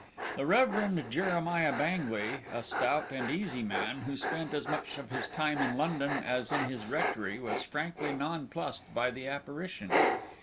The Reverend Jeremiah Bangley, a stout and easy man, who spent as much of his time in London as in his rectory, was frankly nonplussed by the apparition.